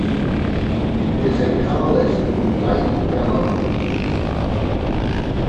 It is a colorless to light yellow liquid.